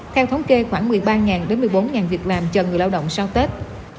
theo thống kê khoảng một mươi ba một mươi bốn việc làm cho người lao động sau tết